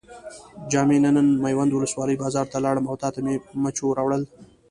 جان مې نن میوند ولسوالۍ بازار ته لاړم او تاته مې مچو راوړل.